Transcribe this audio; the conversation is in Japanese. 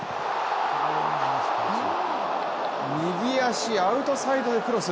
右足アウトサイドでクロス。